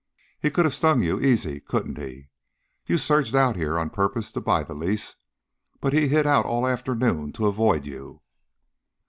"He could have stung you, easy, couldn't he? You surged out here on purpose to buy the lease, but he hid out all afternoon to avoid you."